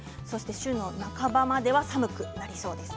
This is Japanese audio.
週の半ばまでは寒くなりそうです。